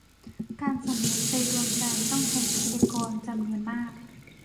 การส่งมนุษย์ไปดวงจันทร์ ต้องใช้ทรัพยากรจำนวนมาก